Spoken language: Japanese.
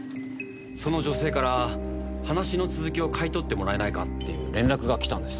その女性から話の続きを買い取ってもらえないかっていう連絡がきたんです。